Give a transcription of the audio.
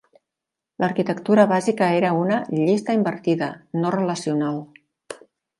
L'arquitectura bàsica era una "llista invertida", no relacional.